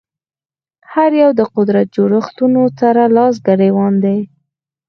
هر یو د قدرت جوړښتونو سره لاس ګرېوان دي